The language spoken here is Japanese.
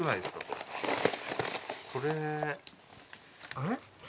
あれ？